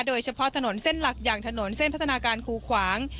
โดยเฉพาะถนนเส้นหลักอย่างถนนเส้นพัฒนาการคูขวาง